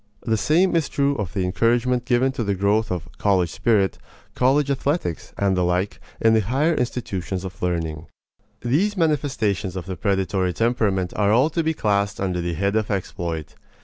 The same is true of the encouragement given to the growth of "college spirit," college athletics, and the like, in the higher institutions of learning. These manifestations of the predatory temperament are all to be classed under the head of exploit.